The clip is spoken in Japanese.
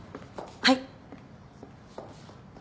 はい。